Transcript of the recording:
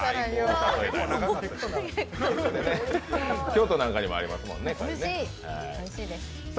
京都なんかにもありますもんね。